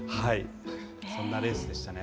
そんなレースでした。